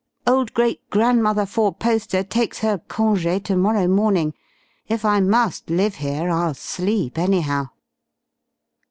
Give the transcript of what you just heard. Old great grandmother four poster takes her congé to morrow morning. If I must live here I'll sleep anyhow."